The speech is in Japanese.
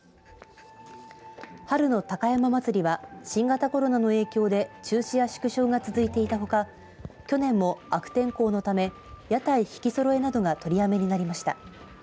春の高山祭は新型コロナの影響で中止や縮小が続いていたほか去年も悪天候のため屋台曳き揃えなどが取りやめになりました。